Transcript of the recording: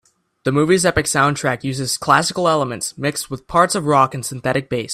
The movie's epic soundtrack uses classical elements mixed with parts of rock and synthetic bass.